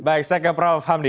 baik saya ke prof hamdi